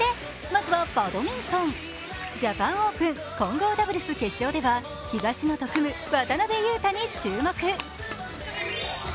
まずはバドミントン、ジャパンオープン混合ダブルス決勝では東野と組む渡辺勇大に注目。